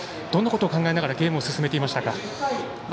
どんなことを考えながらゲームを進めていましたか。